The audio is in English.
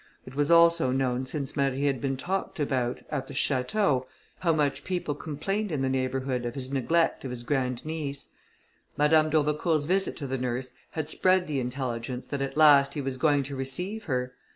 It was also known, since Marie had been talked about at the château, how much people complained in the neighbourhood, of his neglect of his grandniece. Madame d'Aubecourt's visit to the nurse had spread the intelligence, that at last he was going to receive her.